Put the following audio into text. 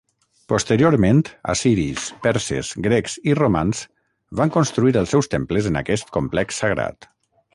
Posteriorment, assiris, perses, grecs i romans van construir els seus temples en aquest complex sagrat.